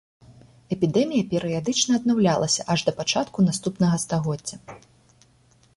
Эпідэмія перыядычна аднаўлялася аж да пачатку наступнага стагоддзя.